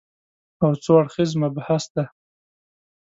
او څو اړخیز مبحث دی